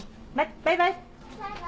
バイバイ。